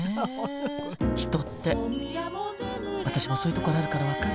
私もそういうところあるから分かる。